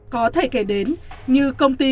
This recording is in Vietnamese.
có thể kể đến như công ty